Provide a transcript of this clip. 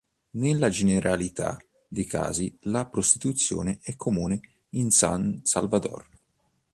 Nella generalità dei casi, la prostituzione è comune in San Salvador.